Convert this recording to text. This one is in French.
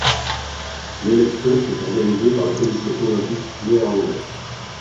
L'élection est organisée par le Comité olympique néerlandais.